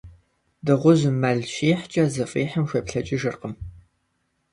Дыгъужьым мэл щихькӀэ, зыфӀихьым хуеплъэкӀыжыркъым.